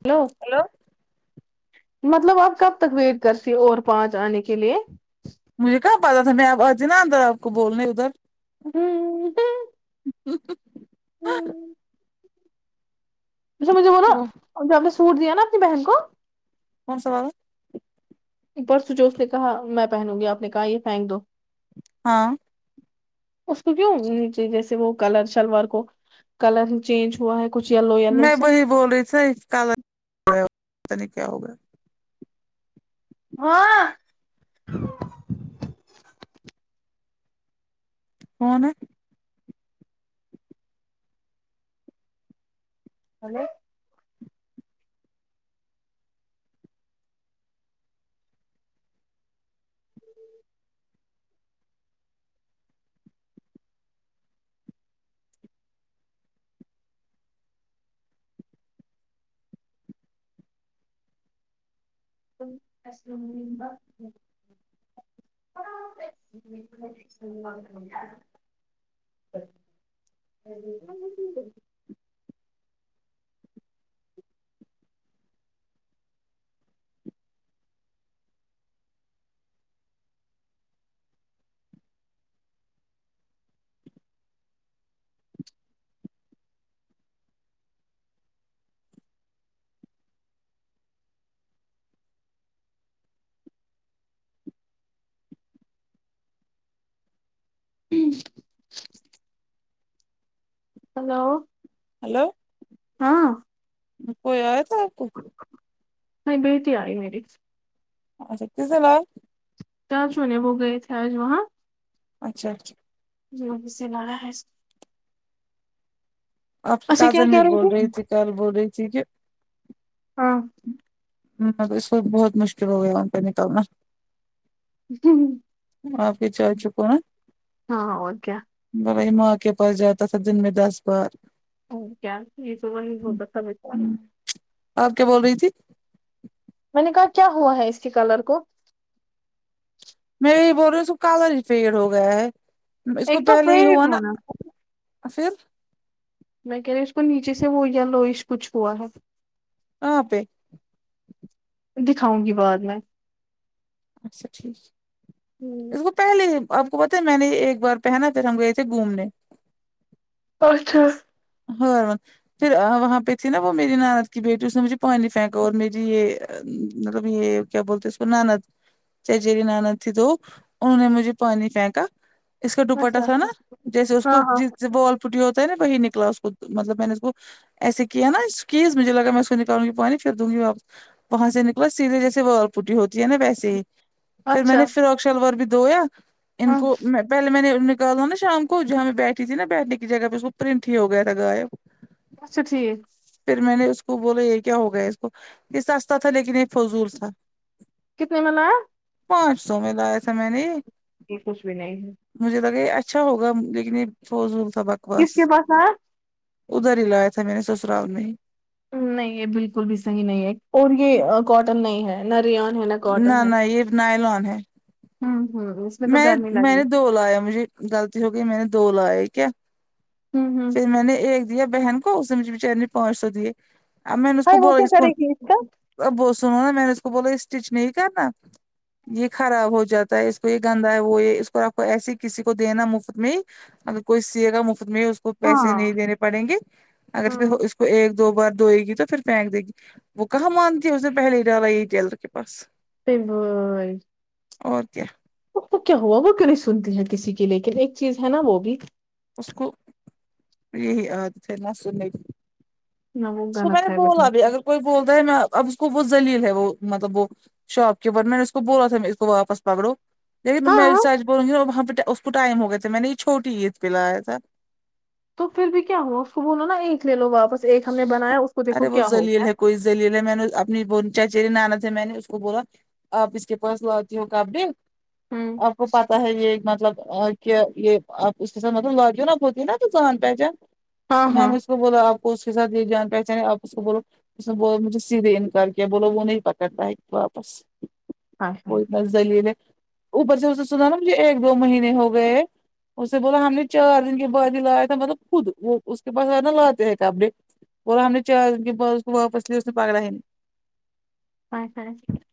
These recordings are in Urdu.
ہیلو مطلب آپ کب تک ویٹ کرتی اور پانچ آنے کے لیے مجھے کہاں پتا تھا میں اب اجی نا اندر آپکو بولنے ادھر ہوں اسنے مجھے بولو وہ جو آپ نے سوٹ دیا نا اپنی بہن کو کون سا والا پرسوں جوس نے کہا میں پہنوں گی آپ نے کہا یہ پھینک دو ہاں اس کو کیوں نیچے جیسے وہ کلر شلوار کو کلر چینج ہوا ہے کچھ ییلو میں وہی بول رہی تھاھی کل [unintelligible] پتا نہیں کیا ہوگیا ہاں کون ہے ہیلو السلام علیکم [inaudible] [inaudible] ہلو ہلو ہاں کوئی آیا تھا آپ کو نہیں بیٹی آئی میری اچھا کیس لئے چاچو نے وہ گئے تھے آج وہاں اچھا اچھا جی جی سلایا ہے آپ کی اچھا کیا کازن بھی کہہ رہے بول رہی تھے تھی کل بول رہی تھی کہ ہاں ہ اس وقت بہت مشکل ہو گیا ان پہ نکالنا آپ کے چاچو کون ہاں اور کیا بائی ماں کے پاس جاتا تھا دن میں دس بار او کیا یہ تو وہی ہوسکتا تھا بیچارہ آپ کیا بول رہی تھی میں نے کہا کیا ہوا ہے اس کی کلر کو میں یہی بول رہی ہوں اس کو کالر ہی فیڈ ہو گیا ہے اس کو ایک تو پہلے ہی فیڈ ہوا نا ہونا پھر میں کہہ رہی ہوں اس کو نیچے سے وہ یالوئیش کچھ ہوا ہے کہاں پے دکھاؤں گی بعد میں اچھا ٹھیک پہلے آپ کو پتا ہے میں نے ایک بار پہنا تھا پھر ہم گئے تھے گھومنے اچھا ہاں پھر وہاں پہ تھی نا وہ میری نند کی بیٹی اس نے مجھے پانی پھینکا اور میری یہ مطلب یہ کیا بولتے اس کو نند چچیری نند تھی تو انہوں نے مجھے پانی پھینکا اس کا دوپٹہ اچھا تھا نا جیسے اس کو ہاں ہاں جس سے وہ وال پٹی ہوتا ہے نا وہیک کلاس مطلب میں نے ایسے کیا نا کیز مجھے لگا میں اس کو نکالوں گی پانی پھر دھوں گی واپس وہاں سے نکلا سیدھے جیسے وہ وال پوٹی ہوتی ہے نا ویسے ہی پھر میں اچھا نے فراک شلوار بھی دھویا ان ہاں کو میں پہلے میں نے نکالا تھا نا شام کو جہاں میں بیٹھی تھی نا بیٹھنے کی جگہ پہ اس کو پرنٹ کٹھی ہو گیا تھا غائب اچھا ٹھیک پھر میں نے اس کو بولا یہ کیا ہوگیا اس کو یہ سستا تھا لیکن یہ فضول تھا کتنے میں لایا پانچ سو میں لایا تھا میں نے یہ یہ کچھ بھی نہیں ہے مجھے لگا یہ اچھا ہوگا لیکن یہ فوزور سبق کس کے پاس آیا ادھر ہی لایا تھا میں نے سسرال میں نہیں یہ بالکل بھی صحیح نہیں ہے اور یہ کاٹن نہیں ہے نہ ریان ہے نہ کاٹن ہے نہ یہ نائلون ہے ہوں ہوں تو میں گرمی میں نے لگی دو لایا مجھے غلطی ہو گئی میں نے دو لائے کیا ہے ہوں ہوں پھر میں نے ایک دیا بہن کو اس نے مجھے بچاری نے پانچ سو دیے اب میں نے اس کو ہائی بو وہ کیا اس کو کرے گی کا اب وہ سنو نا میں نے اس کو بولا اسٹچ نہیں کرنا یہ خراب ہو جاتا ہے گندہ ہے وہ یہ اس کو آپ کو ایسے ہی کسی کو دینا مفت میں ہی اگر کوئی سیے گا مفت میں اس کو پیسے ہاں نہیں دینے پڑیں گے اگر پھر ہاں اس کو ایک دو بار دھوئے گی تو پھر پھینک دے گی وہ کہاں مانتی ہے اس نے پہلے ہی ڈالا یہی ٹیلر کے پاس [unintelligible] اور کیا تو کیا ہوا وہ کیوں نہیں سنتی ہے کسی کی لیکن ایک چیز ہے نا وہ بھی اس کو یہی عادت ہے نہ سننے کی نہ وہ تو میں نے غلط ہے بولا بیٹا ابھی اگر کوئی بولتا ہے میں اب اس کو وہ ذلیل ہے وہ مطلب وہ شاپ کییپر نے اس کو بولا تھا میں اس کو واپس پکڑو لیکن میں ہاں سچ بولوں گی ن وہاں پہ اس کو ٹائم ہو گئے تھے میں نے یہ چھوٹی عید پہ لایا تھا تو پھر بھی کیا ہوا اس کو بولو نا ایک لے لو واپس ایک ہم نے بنایا اس کو دیکھو کیا ہوگا دلیل ہے میں نے اپنی ب چچیری نانا سے میں نے اس کو بولا آپ اس کے پاس لاتی ہو کپڑے ہوں آپ کو پتا ہے یہ مطلب ا کہ یہ آپ اس کے ساتھ مطلب لاتی ہو نا ہوتی ہونا تو جان پہچان ہاں میں ہاں نے اس کو بولا آپ اس کے ساتھ یہ جان پہچان ہے آپ اس کو بولو اس نےب مجھے سیدھے انکار کیا بولو وہ نہیں پکڑ لائی واپس ہاں وہ بس ذلیل ہے اوپر سے اس سنا نا مجھے ایک دو مہینے ہو گئے اسے بولا ہم نے چار دن کے بعد ہی لایا تھا مطلب خود وہ اس کے پاس آ نا لاتے ہیں [unintelligible] [unintelligible]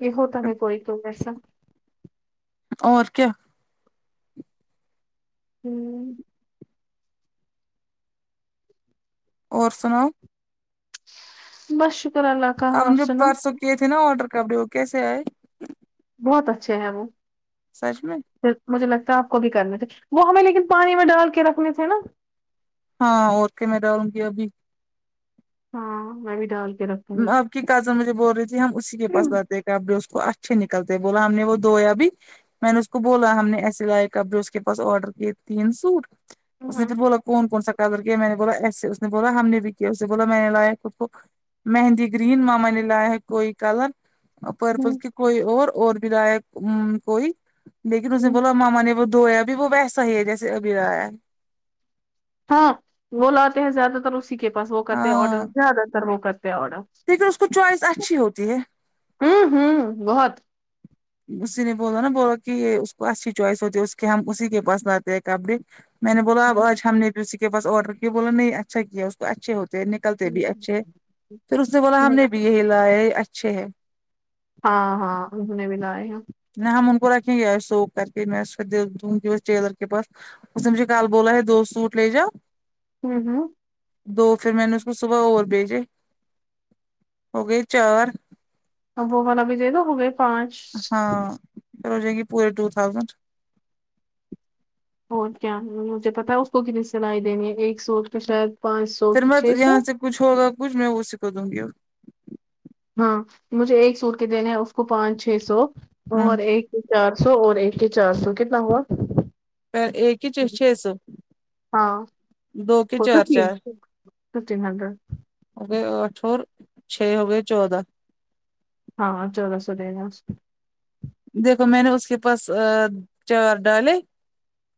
یہ ہوتا ہے کوئی تو ایسا اور کیا [unintelligible] اور سناؤ بس شکر اللہ کا آپ جو سناؤ پرسوں کیے تھے نا آڈر کپڑے وہ کیسے آئے بہت اچھے ہیں وہ سچھ میں مجھے لگتا ہے آپ کو بھی کرنے تھے وہ ہمیں لیکن پانی میں ڈال کے رکھنے تھے نا ہاں اور کیا میں دالونگی ابھی ہاں میں بھی ڈال کے رکھی آپ کی کازن مجھے بول رہی تھی ہم اسی کے گی پاس جاتے کپڑے اس کو اچھے نکلتے بولا ہم نے وہ دھویا بھی میں نے اس کو بولا ہم نے ایسے لائے کپڑے اس کے پاس آرڈر کیے تین سوٹ اس نے ہاں تو بولا کون کون سا کلر کے ہے میں نے بولا ایسے اس نے بولا ہم نے بھی کیا اسے بولا میں نے لایا خود کو مہندی گرین ماما نےلایا ہے کوئی کلر پرپل کی کوئی اور اور لائے ہمم کوئی لیکن اس نے بولا ماما نے وہ دھویا بھی وہ ویسا ہی ہے جیسے ابھی لایا ہے ہاں وہ لاتے ہیں زیادہ تر اسی کے پاس وہ کرتے ہیں آڈر زیادہ تر وہ کرتے ہیں آڈر پھر تو اس کو چوائس اچھی ہوتی ہے ہوں ہوں بہت اسی نے بولا نا بولا کہ اس کو اچھی چوائس ہوتی ہے اس کے ہم اسی کے پاس لاتے ہیں کپڑے میں نے بولا اب آج ہم نے بھی اسی کے پاس آڈر کیا بولا نہیں اچھا کیا اس کو اچھے ہوتے نکلتے بھی اچھے پھر اس نے بولا ہم نے بھی یہی لائے اچھے ہے ہاں ہاں انہوں نے بھی لائے ہیں نہ ہم ان کو رکھینگے آ سوک کر کے میں دونگی ٹیلر کے پاس اس نے مجھے کل بولا ہے دو سوٹ لے جاؤ ہمم ہمم دو پھر میں نے اس کو صبح اور بھیجے ہو گئے چار اب وہ والا بھی دے دو تو ہو گئے پانچ ہاں ہو جائے گی پورے ٹو تھاؤزینڈ اور کیا مجھے پتا اس کو کتنی سلائی دینی ایک سوٹ کا شاید پانچ سو پھر کی مت چھ میں یہاں سو سے کچھ ہوگا کچھ میں اسی کو دوں گی ہاں مجھے ایک سوٹ کے دینے ہیں اس کو پانچ چھ سو ہوں اور ایک چارسو اور ایک ہی چار سو کتنا ہوا ایک کہ چرچ چھ سو ہاں دو کے ہوتا چار پھر چار ففٹین ہنڈریڈ ہو گئے آٹھ اور چھ ہو گئے چودہ ہاں چلو [unintelligible] دیکھو میں نے اس کے پاس چار ڈالے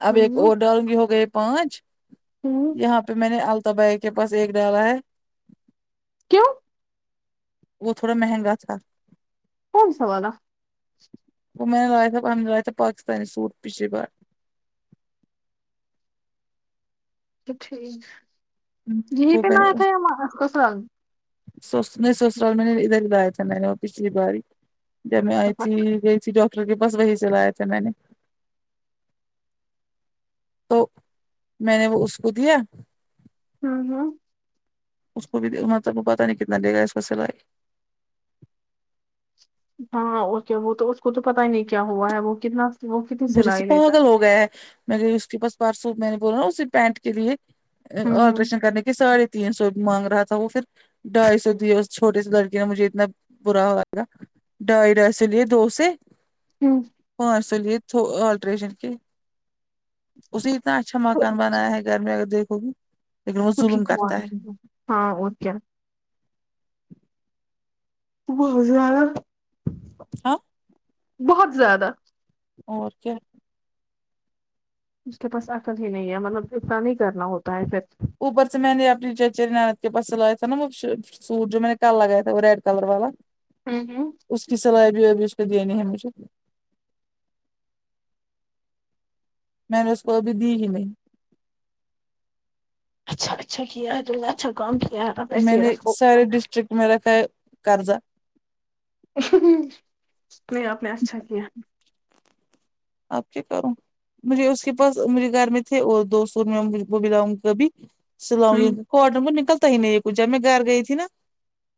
اب ایک ہوں اور ڈالوں گی ہو گئی پانچ ہوں یہاں پہ میں نے التاب ایک کے پاس ایک ڈالا ہے کیوں وہ تھوڑا مہنگا تھا کونسا والا وہ میں نے لایا تھا ہم نے لایا تھا پاکستانی سوٹ پچھلی بار [unintelligible] یہی وہ پہ لایا تھا کسرال سس میں سسرال میں نے ادھر لایا تھا میں نے وہ پچھلی بار ہی جب میں آئی تھی گئی تھی ڈاکٹر کے پاس وہی سے لایا تھا میں نے تو میں نے وہ اس کو دیا ہاں ہاں اس کو بھی دب پتا نہیں کتنا لے گا اس کا سلائی ہاں وہ تو اس کو تو پتا ہی نہیں کیا ہوا ہے وہ کتنا وہ کتنی برے سے سلائی لیتا پاگل ہو گیا ہے میں گئی اس کے بس بار سوٹ میں نے بولا نا اسی پینٹ کے لیے ہوں ہوں آلٹریشن کرنے کی ساڑھے تین سو مانگ رہا تھا وہ پھر ڈھائی سو دیے اس چھوٹے سے لڑکے نے مجھے اتنا برا لگا دائرہ سے لیے دو سے ہمم پانچ سو لیے تھ آٹریشن کے اسی اتنا اچھا مکان بنایا ہے گھر میں اگر دیکھو گی لیکن وہ تو ٹھیک ظلم ہوا کرتا ہے ہاں اور کیا [unintelligible] ہاں بہت زیادہ اور کیا اس کے پاس آقل ہی نہیں ہے مطلب ااتنا نہیں کرنا ہوتا ہے پھر اپر سے میں نے اپنی چچیری ناند کے بس سلاا نا وہ سوٹ جو میں نے کل لگایا تھا وہ ریڈ کلر والا ہمم ہمم اس کی سلائیی ابھی اس کی دینی ہے مجھے میں نے اس کو ابھی دی ہی نہیں اچھا اچھا کیا ہے تم نے اچھا کام کیا ہے اب ایسے ہی رکھو میرا یہ کرضہ نہیں آپ نے اچھا کیا آب کیا کروں مجھے اس کے پاس میرے گھر میں تھے اور دوستوں میں وہ [unintelligible] سلام ہوں وعلیکم کواٹر کو نکلتا ہی نہیں یہے جب میں گھر گئی تھی ناں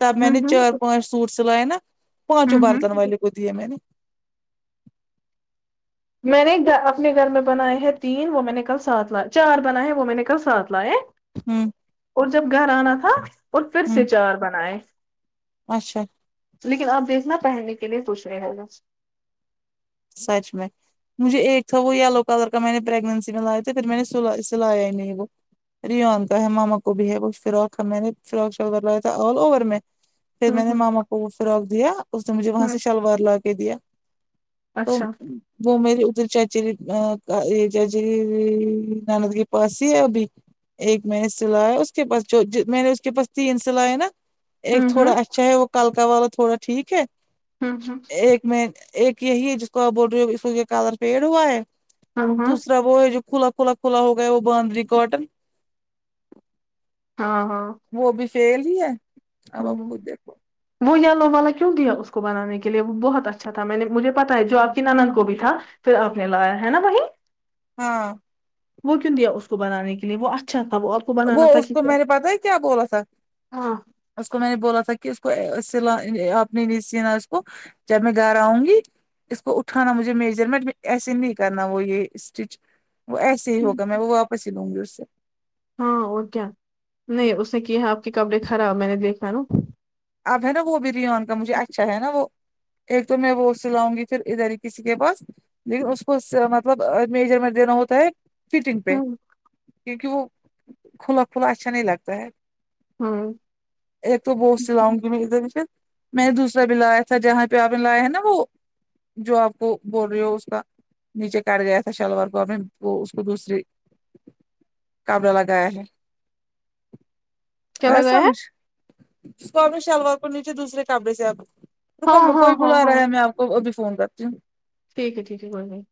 تب میں ہوں نے ہوں چار پانچ سوٹ سلائے ناں پانچوں ہوں برتن والے کو دئیے میں نے میں نے اپنے گھر میں بنائے ہیں تین وہ میں نے کل ساتھ لائے چار بنائے ہیں وہ میں نے کل سات لائے ہوں اور جب گھر آنا تھا اور پھر ہوں سےچار بنائے اچھا لیکن آپ دیکھنا پہننے کے لیے پوچھ رہے ہو گا سچ میں مجھے ایک تھا وہ یلو کلر کا میں نے پرریگنسی میں لایا تھا پھر میں نے س سلایا ہی نہیں وہ ریان کا ہے ماما کو بھی ہے فراک میں نے فراک شلور لایا تھا آل اوور میں پھر میں ہوں نے ماما کو وہ فراک دیا اس نے مجھے وہاں ہوں ہ سے شلوار لا کے دیا تو اچھا وہ میری ادھر چچی یہ چاچی نانند کے پاس ہی ہے ابھی ایک میں نے سلایا اس کے پاس جو جو میں نے اس کے پاس تین سلائے ہے ناں ایک ہوں تھوڑا ہوں اچھا ہے وہ کل کا والا تھوڑا ٹھیک ہے ہوں ہ ایک میں ایک یہی ہے جس کا آپ بول رہے ہو کلر فیڈ ہوا ہے ہاں ہاں دوسرا وہ ہے جو کھلا کھلا کھلا ہو گیا ہے وہ باندنی کاٹن ہاں ہاں وہ بھی فیل ہی ہے اب آپ ہوں خود دیکھو وہ یلو والا کیوں دیا اس کو بنانے کے لیے وہ بہت اچھا تھا میں نے مجھے پتا ہے جو آپ کی نانند کو بھی تھا پھر آپ نے لایا ہے ناں وہی ہاں وہ کیوں دیا اس کو بنانے کے لیے وہ اچھا تھا وہ کو بنانا وہ تھا اس کہ کو میں نے پتا ہے کیا بولا تھا ہاں اس کو میں نے بولا تھا کہ اس کو سلا آپ نے نہیں سینا اس کو جب میں گھر آؤں گی اس کو اٹھانا مجھے میجرمنٹ ایسے نہیں کرنا وہ یہ اسٹچ وہ ایسے ہی ہوگا میں وہ واپس ہی لوں گی اس سے ہاں اور کیا نہیں اس نے کیا ہے آپ کے کپڑے خراب میں نے دیکھا ناں اب ہے ناں وہ بھی ریون کا مجھے اچھا ہے ناں وہ ایک تو میں وہ سے لاؤں گی پھر ادھر ہی کسی کے پاس لیکن اس کو مطلب میجرمنٹ دینا ہوتا ہے فٹنگ پہ ہ کیونکہ وہ کھلا کھلا اچھا نہیں لگتا ہے ہاں ایک تو وہ سلاؤں گی پھر میں نے دوسرا بھی لایا تھا جہاں پہ آپ نے لایا ہے ناں وہ جو آپ کو بول رہی ہو اس کا نیچے کاٹ گیا تھا شلوار کو اب میں وہ اس کو دوسری کپڑا لگایا ہے کیا ایا لگایا ہے سمجھ اس کو آپ نے شلوار کو نیچے دوسرے کپڑے سے آپ ہاں رکو ہاں کوئی ہاں بلا رہا ہاں ہے میں آپ کو ابھی فون کرتی ہوں ٹھیک ہے ٹھیک ہے کوئی نہیں